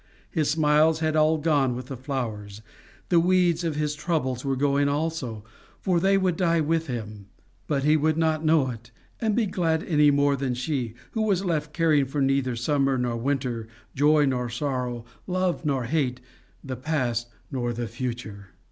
His smiles had all gone with the flowers. The weeds of his troubles were going also, for they would die with him. But he would not know it and be glad, any more than she, who was left caring for neither summer nor winter, joy nor sorrow, love nor hate, the past nor the future.